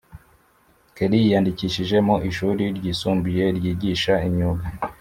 Kelly yiyandikishije mu ishuri ryisumbuye ryigisha imyuga